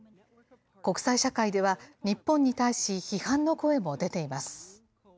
国際社会では、日本に対し批判の声も出ています。